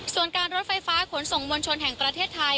ส่วนการรถไฟฟ้าขนส่งมวลชนแห่งประเทศไทย